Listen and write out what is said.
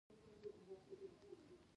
دوکان بیمه شوی هم نه وي، نور اوبه.